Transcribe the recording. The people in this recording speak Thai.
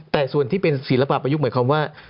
แต่ส่วนที่เป็นศิลปะประยุกต์หมายความว่า